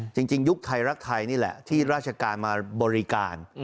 ยุคไทยรักไทยนี่แหละที่ราชการมาบริการ